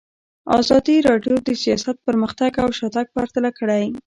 ازادي راډیو د سیاست پرمختګ او شاتګ پرتله کړی.